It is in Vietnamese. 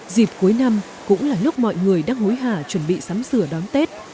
dịp cuối năm cũng là lúc mọi người đang hối hả chuẩn bị sắm sửa đón tết